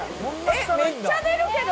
めっちゃ出るけど。